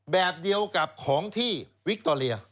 แบบเดียวกับของที่วิคโตเรีย